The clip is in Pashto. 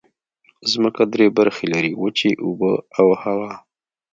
ځمکه درې برخې لري: وچې، اوبه او هوا.